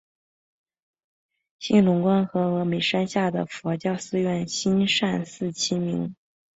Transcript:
兴隆观和峨嵋山下的佛教寺院兴善寺齐名。